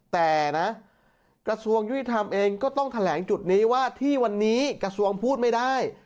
แต่นะกระทรวงยุติธรรมเองก็ต้องแถลงจุดนี้ว่าที่วันนี้กระทรวงพูดไม่ได้